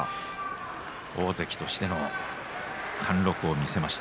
大関としての貫禄を見せました。